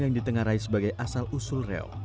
yang ditengarai sebagai asal usul reok